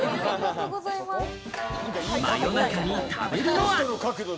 真夜中に食べるのは？